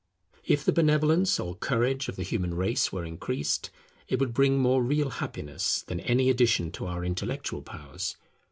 If the benevolence or courage of the human race were increased, it would bring more real happiness than any addition to our intellectual powers.